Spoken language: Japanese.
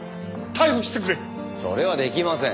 それはできません。